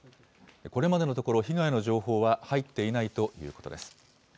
これまでのところ、被害の情報は入っていないということです。